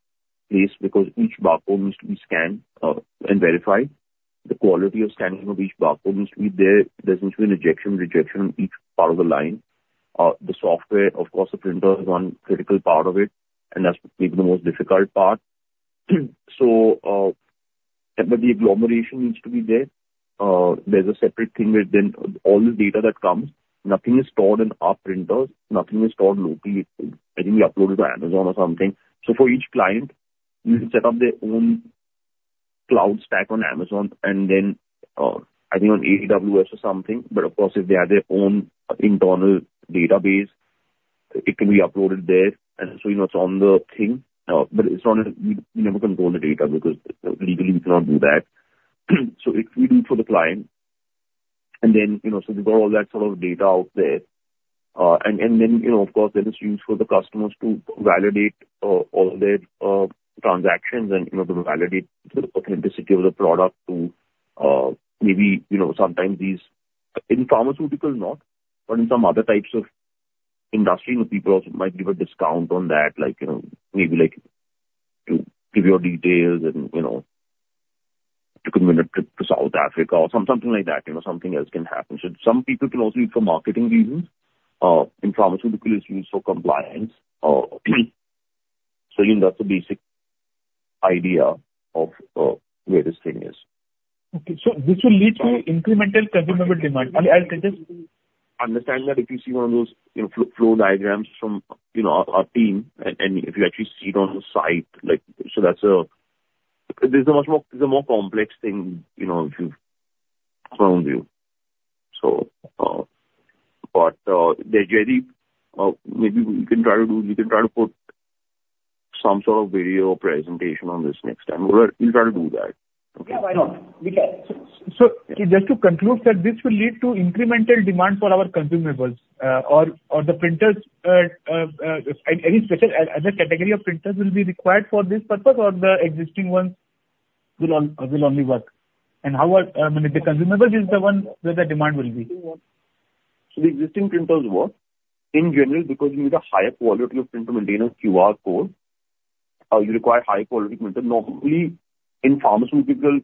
place because each barcode needs to be scanned, and verified. The quality of scanning of each barcode needs to be there. There's need to be an ejection, rejection on each part of the line. The software, of course, the printer is one critical part of it, and that's maybe the most difficult part. So, but the agglomeration needs to be there. There's a separate thing with then all the data that comes, nothing is stored in our printers, nothing is stored locally. I think we upload it to Amazon or something. So for each client, we will set up their own cloud stack on Amazon, and then, I think on AWS or something, but of course, if they have their own internal database, it can be uploaded there. And so, you know, it's on the thing, but we never control the data because legally we cannot do that. So it, we do it for the client, and then, you know, so we've got all that sort of data out there. And, and then, you know, of course, that is used for the customers to validate, all their, transactions and, you know, to validate the authenticity of the product to, maybe, you know, sometimes these... In pharmaceuticals, not, but in some other types of industrial, people also might give a discount on that. Like, you know, maybe like to give your details and, you know, to win a trip to South Africa or something like that, you know, something else can happen. So some people can also use it for marketing reasons. In pharmaceutical, it's used for compliance. So, you know, that's the basic idea of where this thing is. Okay. So this will lead to incremental consumable demand. I'll get this? Understand that if you see one of those, you know, flow diagrams from, you know, our team, and if you actually see it on the site, like, so that's a much more complex thing, you know, if you've found you. But there may be, maybe we can try to put some sort of video presentation on this next time. We'll try to do that. Yeah, why not? We can. So just to conclude that this will lead to incremental demand for our consumables, or the printers, any special other category of printers will be required for this purpose, or the existing ones will only work? And how are... I mean, the consumables is the one where the demand will be. So the existing printers work in general, because you need a higher quality of printer to maintain a QR Code. You require high quality printer. Normally, in pharmaceutical,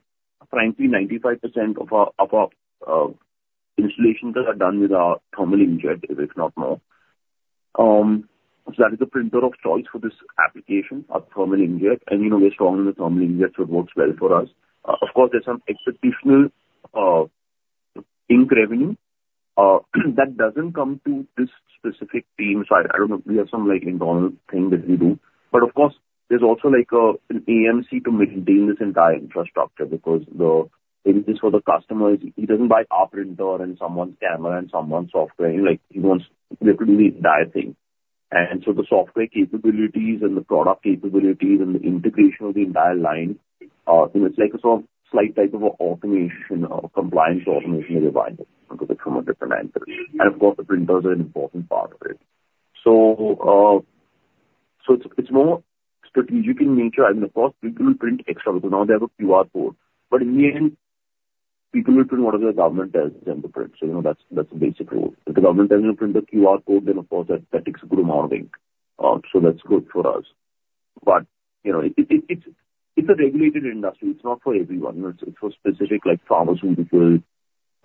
frankly, 95% of our installations are done with our Thermal Inkjet, if it's not more. That is the printer of choice for this application, our Thermal Inkjet, and, you know, we're strong in the Thermal Inkjet, so it works well for us. Of course, there's some exceptional ink revenue that doesn't come to this specific team. So I don't know, we have some, like, internal thing that we do. But of course, there's also, like, an AMC to maintain this entire infrastructure, because the... Maybe for the customers, he doesn't buy our printer and someone's camera and someone's software. Like, he wants them to do the entire thing. So the software capabilities and the product capabilities and the integration of the entire line, you know, it's like a sort of slight type of automation or compliance automation required from a different answer. And of course, the printers are an important part of it. So it's more strategic in nature. I mean, of course, people will print extra because now they have a QR code, but in the end, people will print what the government tells them to print. So, you know, that's the basic rule. If the government tells you to print the QR code, then of course, that takes a good amount of ink. So that's good for us. But, you know, it's a regulated industry. It's not for everyone. It's for specific, like, pharmaceutical,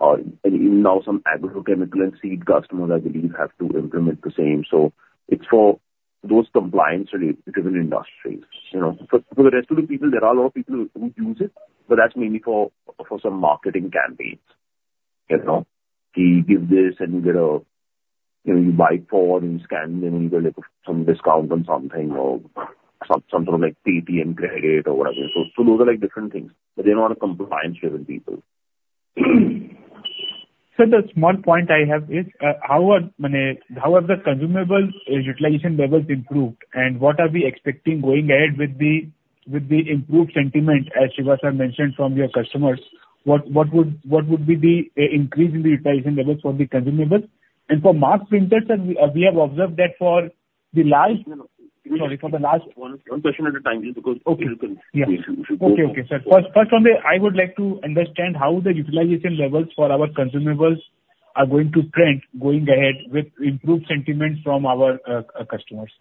and even now, some agrochemical and seed customers, I believe, have to implement the same. So it's for those compliance-related driven industries, you know. For the rest of the people, there are a lot of people who use it, but that's mainly for some marketing campaigns. You know, you give this and you get a, you know, you buy four and you scan, and you get, like, some discount on something or some sort of like Paytm credit or whatever. So those are like different things, but they're not a compliance driven people. So the small point I have is, how are, I mean, how are the consumables, utilization levels improved? And what are we expecting going ahead with the, with the improved sentiment, as Shiva sir mentioned, from your customers, what, what would, what would be the, increase in the utilization levels for the consumables? And for Markprint printers, sir, we, we have observed that for the last- No, no. Sorry, for the last- One, one question at a time, just because- Okay. -You can... Yeah. Okay. Okay, okay. Sir, first, first one, I would like to understand how the utilization levels for our consumables are going to trend going ahead with improved sentiment from our customers.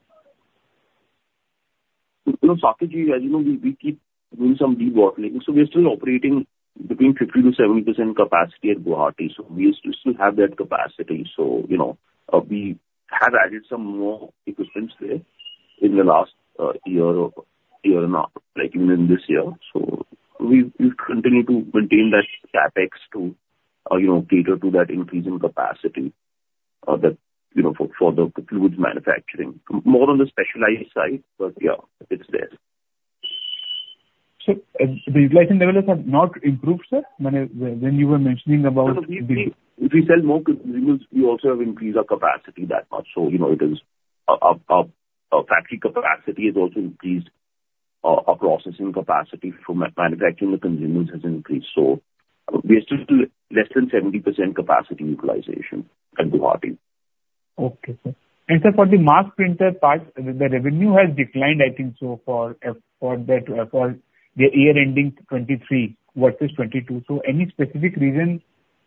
You know, Saket, as you know, we, we keep doing some debottlenecking, so we are still operating between 50%-70% capacity at Guwahati. So we still, still have that capacity. So, you know, we have added some more equipment there in the last year or year or not, like in this year. So we, we continue to maintain that CapEx to, you know, cater to that increase in capacity, that, you know, for, for the fluids manufacturing. More on the specialized side, but yeah, it's there. So the utilization levels have not improved, sir? I mean, when you were mentioning about the- If we sell more consumables, we also have increased our capacity that much, so you know, our factory capacity has also increased, our processing capacity from manufacturing the consumables has increased. So we're still less than 70% capacity utilization at Guwahati. Okay, sir. And sir, for the Markprint part, the revenue has declined, I think so for that, for the year ending 2023 versus 2022. So any specific reason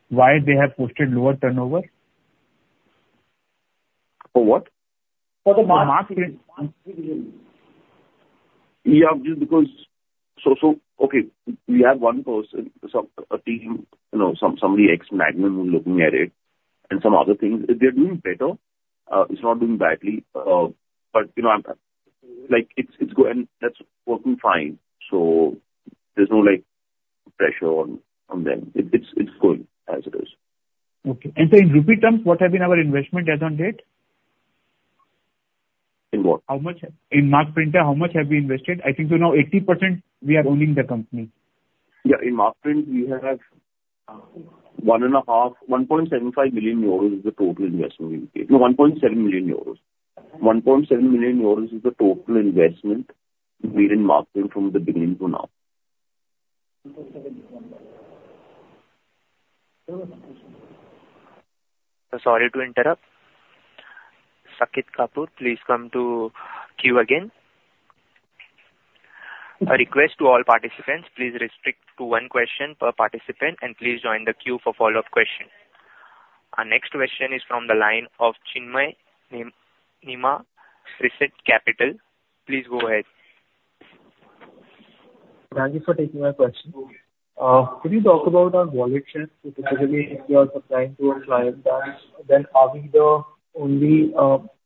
why they have posted lower turnover? For what? For the Markprint division. Yeah, just because... So, okay, we have one person, so a team, you know, somebody ex Magnum looking at it and some other things. They're doing better. It's not doing badly, but, you know, like, it's going and that's working fine, so there's no, like, pressure on them. It's going as it is. Okay. In rupee terms, what have been our investment as on date? In what? How much... In Markprint, how much have we invested? I think so now 80% we are owning the company. Yeah, in Markprint, we have, 1.5 million, 1.75 million euros is the total investment we've made. No, 1.7 million euros. 1.7 million euros is the total investment made in Markprint from the beginning to now. Sorry to interrupt. Saket Kapoor, please come to queue again. A request to all participants, please restrict to one question per participant, and please join the queue for follow-up question. Our next question is from the line of Chinmay Nema, Prescient Capital. Please go ahead. Thank you for taking my question. Could you talk about our wallet share? So typically, if you are supplying to a client, then are we the only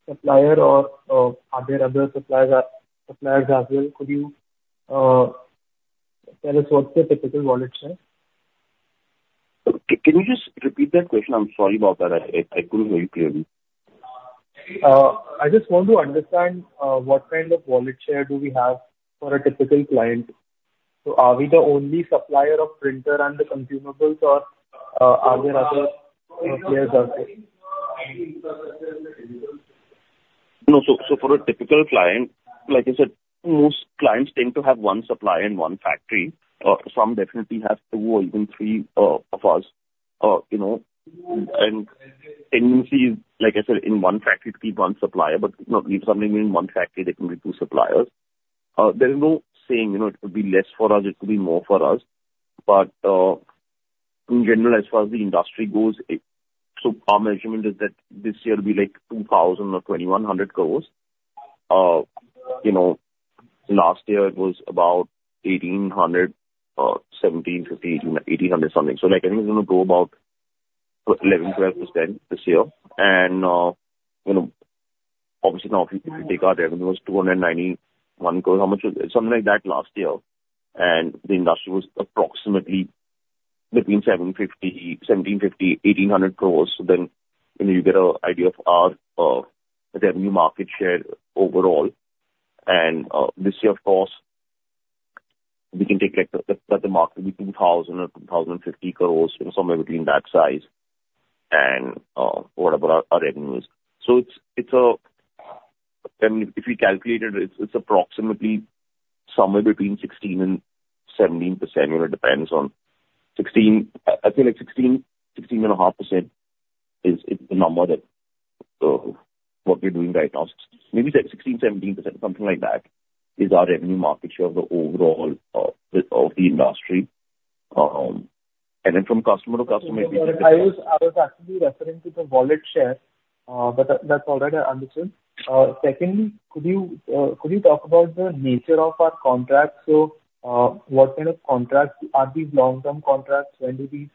supplier or are there other suppliers as well? Could you tell us what's the typical wallet share? Can you just repeat that question? I'm sorry about that. I couldn't hear you clearly. I just want to understand what kind of wallet share do we have for a typical client? So are we the only supplier of printer and the consumables, or are there other suppliers as well? No, so, so for a typical client, like I said, most clients tend to have one supplier and one factory. Some definitely have two or even three, of us, you know, and tendency, like I said, in one factory to keep one supplier, but, you know, if something in one factory, they can be two suppliers. There is no saying, you know, it could be less for us, it could be more for us. But, in general, as far as the industry goes, it... So our measurement is that this year will be like 2,000-2,100 crore. You know, last year it was about 1,800 crore, 1,750 crore, 1,800 crore something. So like, I think it's gonna go about 11%-12% this year. You know, obviously now if you take our revenue, it was 291 crores. How much was it? Something like that last year. And the industry was approximately between 750 crore, 1,750 crore, 1,800 crores. So then, you know, you get a idea of our revenue market share overall. And this year, of course, we can take, like, the market will be 2,000 crore or 2,050 crores, you know, somewhere between that size and what about our revenue is. So it's, it's, I mean, if we calculate it, it's approximately somewhere between 16%-17%. You know, it depends on 16%... I'd say like 16%, 16.5% is the number that what we're doing right now. Maybe 16%-17%, something like that, is our revenue market share of the overall, the, of the industry. And then from customer-to-customer- I was actually referring to the wallet share, but that's all right. I understand. Secondly, could you talk about the nature of our contracts? So, what kind of contracts? Are these long-term contracts? When do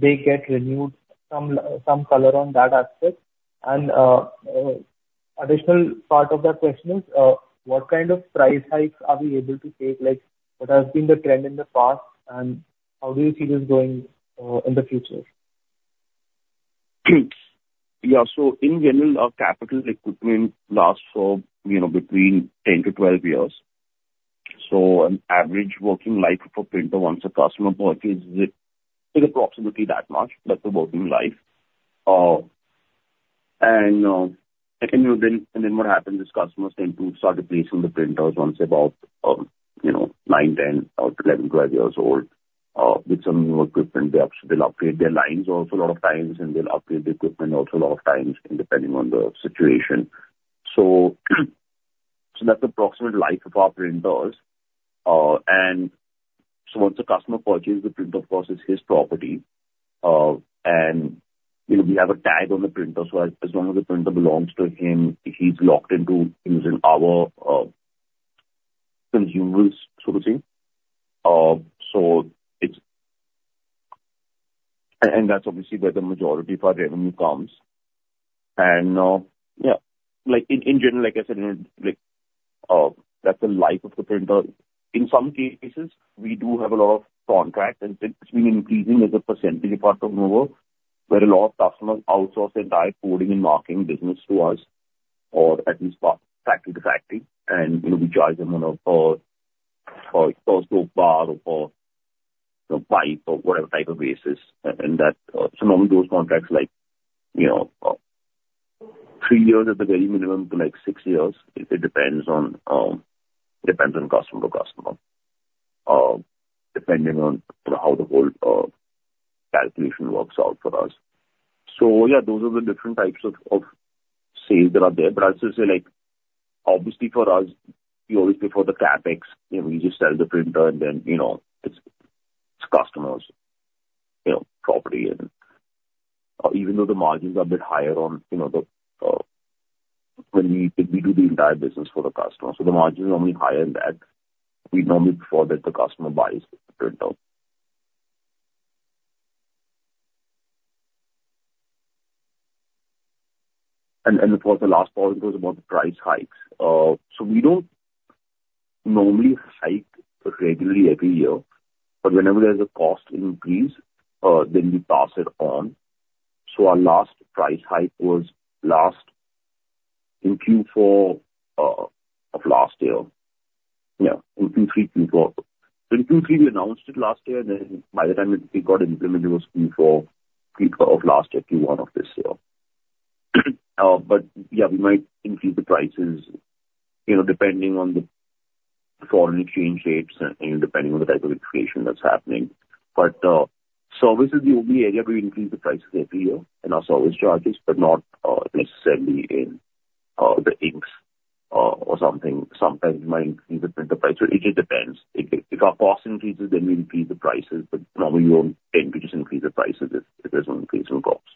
they get renewed? Some color on that aspect. And, additional part of that question is, what kind of price hikes are we able to take? Like, what has been the trend in the past, and how do you see this going in the future? Yeah. So in general, our capital equipment lasts for, you know, between 10-12 years. So an average working life of a printer, once a customer purchases it, is approximately that much, that's the working life. And then what happens is customers tend to start replacing the printers once about, you know, nine, 10 or 11, 12 years old, with some new equipment. They'll upgrade their lines also a lot of times, and they'll upgrade the equipment also a lot of times, depending on the situation. So that's the approximate life of our printers. And so once the customer purchases the printer, of course, it's his property. And, you know, we have a tag on the printer, so as long as the printer belongs to him, he's locked into using our consumables sort of thing. So it's... And that's obviously where the majority of our revenue comes. And yeah, like, in general, like I said, like, that's the life of the printer. In some cases, we do have a lot of contracts, and it's been increasing as a percentage of parts of the world, where a lot of customers outsource their entire coding and marking business to us, or at least part factory-to-factory, and, you know, we charge them on a per cost or per pipe or whatever type of basis, and that, so normally those contracts like, you know, three years at the very minimum to like six years. It depends on, depends on customer to customer, depending on how the whole calculation works out for us. So yeah, those are the different types of sales that are there. But I'll just say like, obviously for us, we always prefer the CapEx. You know, we just sell the printer and then, you know, it's, it's customers, you know, property and... even though the margins are a bit higher on, you know, the, when we, we do the entire business for the customer. So the margins are normally higher in that. We normally prefer that the customer buys the printer. And, and of course, the last part was about the price hikes. So we don't normally hike regularly every year, but whenever there's a cost increase, then we pass it on. So our last price hike was last in Q4, of last year. Yeah, in Q3, Q4. So in Q3, we announced it last year, and then by the time it, it got implemented, it was Q4, Q4 of last year, Q1 of this year. But yeah, we might increase the prices, you know, depending on the foreign exchange rates and, you know, depending on the type of inflation that's happening. But service is the only area we increase the prices every year in our service charges, but not necessarily in the inks or something. Sometimes we might increase the printer price. It just depends. If our cost increases, then we increase the prices, but normally we don't tend to just increase the prices if there's no increase in costs.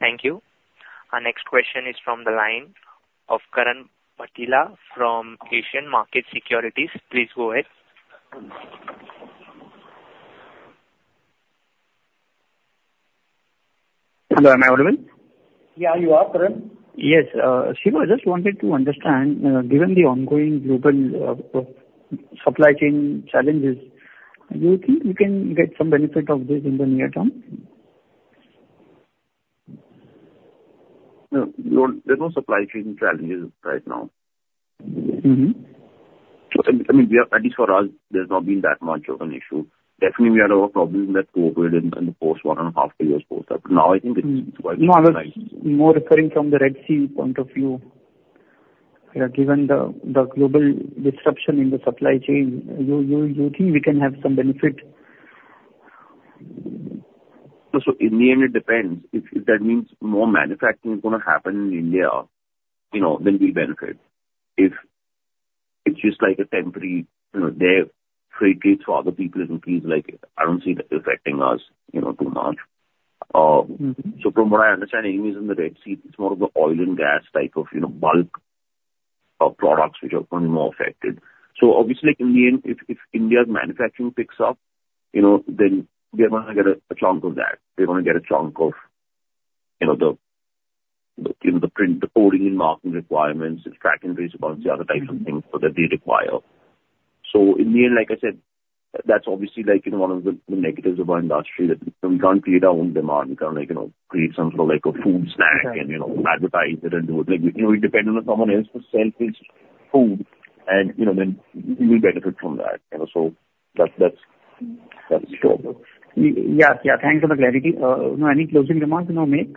Thank you. Our next question is from the line of Karan Bhatelia from Asian Markets Securities. Please go ahead. Hello, am I audible? Yeah, you are, Karan. Yes. So I just wanted to understand, given the ongoing global supply chain challenges, do you think you can get some benefit of this in the near term? No, we don't. There's no supply chain challenges right now. Mm-hmm. So, I mean, we are—at least for us, there's not been that much of an issue. Definitely, we had a lot of problems with COVID in the course of one and a half years before that, but now I think it's quite nice. No, I was more referring from the Red Sea point of view. Yeah, given the global disruption in the supply chain, you think we can have some benefit? So, in the end, it depends. If that means more manufacturing is gonna happen in India, you know, then we benefit. If it's just like a temporary, you know, their freight rates for other people increase, like, I don't see that affecting us, you know, too much. Mm-hmm. From what I understand, anyways, in the Red Sea, it's more of the oil and gas type of, you know, bulk of products which are going to be more affected. Obviously, like, in the end, if, if India's manufacturing picks up, you know, then we are gonna get a, a chunk of that. We're gonna get a chunk of, you know, the, the, you know, the print, the coding and marking requirements, Track-and-Trace about the other types of things so that they require. In the end, like I said, that's obviously like, you know, one of the, the negatives of our industry, that we can't create our own demand. We can't like, you know, create some sort of like a food snack- Yeah. and, you know, advertise it and do it. Like, you know, we depend on someone else to sell this food and, you know, then we benefit from that. You know, so that's, that's, that's true. Yeah, yeah. Thanks for the clarity. Any closing remarks you want to make?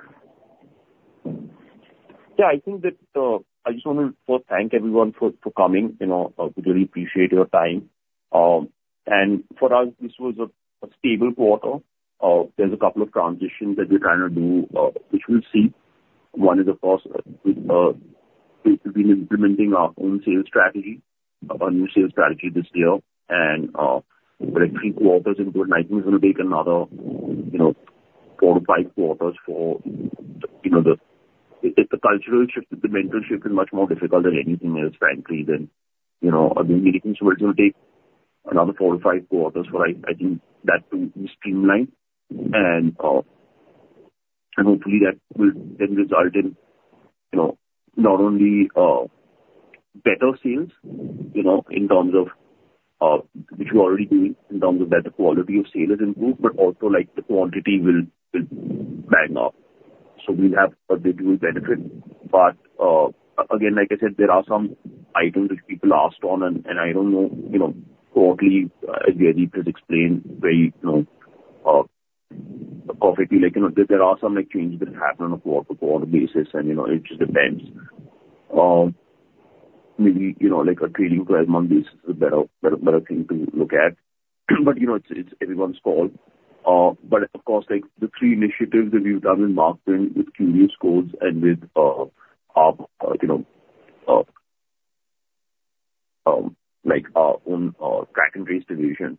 Yeah, I think that, I just want to first thank everyone for, for coming, you know, we really appreciate your time. And for us, this was a, a stable quarter. There's a couple of transitions that we're trying to do, which we'll see. One is, of course, we've been implementing our own sales strategy, our new sales strategy this year. And, over the three quarters in FY 2019, it's gonna take another, you know, four to five quarters for, you know, the... If, if the cultural shift, the mental shift is much more difficult than anything else, frankly, then, you know, I mean, I think so it's gonna take another four to five quarters for I, I think that to be streamlined. Hopefully that will then result in, you know, not only better sales, you know, in terms of which we're already doing, in terms of better quality of sales is improved, but also like the quantity will ramp up. So we have a dual benefit. But again, like I said, there are some items which people asked on and I don't know, you know, totally, as Aditya has explained very, you know, perfectly, like, you know, there are some like changes that happen on a quarter-to-quarter basis, and, you know, it just depends. Maybe, you know, like a trailing 12-month basis is a better, better, better thing to look at. But, you know, it's everyone's call. But of course, like the three initiatives that we've done in marketing with QR codes and with, you know, like our own, Track-and-Trace division.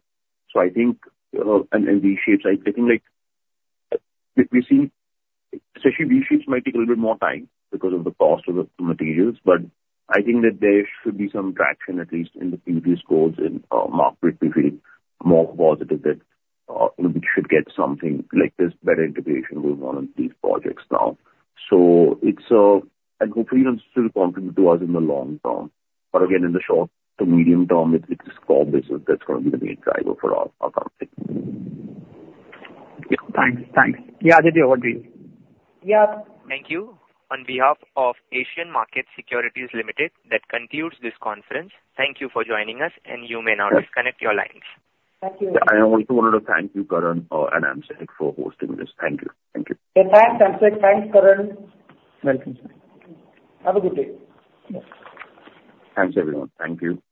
So I think, and, and V-Shapes, I, I think, like, if we see... Especially V-Shapes might take a little bit more time because of the cost of the materials, but I think that there should be some traction, at least in the previous quarters, and, market we feel more positive that, you know, we should get something like this, better integration with one of these projects now. So it's, and hopefully it'll still contribute to us in the long term, but again, in the short to medium term, it, it is core business that's gonna be the main driver for our, our company. Yeah. Thanks. Thanks. Yeah, Aditya, over to you. Yeah. Thank you. On behalf of Asian Markets Securities Private Limited, that concludes this conference. Thank you for joining us, and you may now disconnect your lines. Thank you. I also wanted to thank you, Karan, and AMSEC, for hosting this. Thank you. Thank you. Yeah, thanks, AMSEC. Thanks, Karan. Welcome. Have a good day. Thanks, everyone. Thank you.